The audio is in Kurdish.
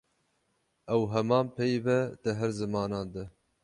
Ew heman peyv e di her zimanan de.